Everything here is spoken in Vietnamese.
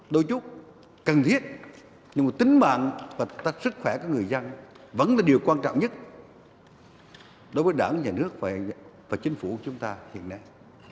đôi chút cần thiết nhưng mà tính mạng và sức khỏe của người dân vẫn là điều quan trọng nhất đối với đảng nhà nước và chính phủ chúng ta hiện nay